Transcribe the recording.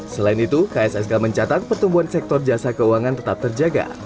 selain itu kssk mencatat pertumbuhan sektor jasa keuangan tetap terjaga